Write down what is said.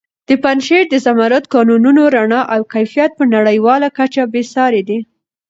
د پنجشېر د زمردو کانونو رڼا او کیفیت په نړیواله کچه بې ساري دی.